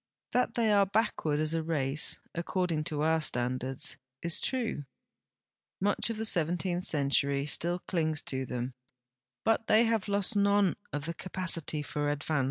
That the}" are l)ackward as a race, according to our standards, is true. Much of the seventeenth century still clings to them, Imt they have lost none of the ca])acity for advance.